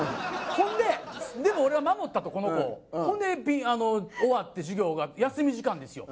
ほんででも俺は守ったとこの子をほんで終わって授業が休み時間ですよ